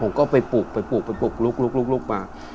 ผมก็ไปปลูกไปปลูกไปปลูกลุกลุกลุกลุกมา